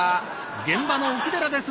現場の奥寺です。